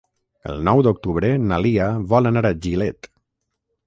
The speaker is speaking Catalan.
El nou d'octubre na Lia vol anar a Gilet.